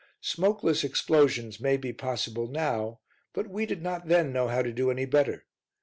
Smokeless explosions may be possible now, but we did not then know how to do any better.